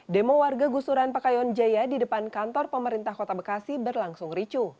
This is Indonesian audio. demo warga gusuran pakayon jaya di depan kantor pemerintah kota bekasi berlangsung ricu